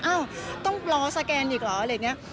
อ้าวต้องรอสแกนอีกเหรออะไรอย่างนี้